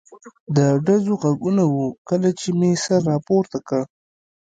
د ډزو غږونه و، کله چې مې سر را پورته کړ.